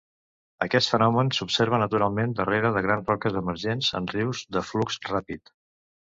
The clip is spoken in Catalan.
Aquest fenomen s'observa naturalment darrere de grans roques emergents en rius de flux ràpid.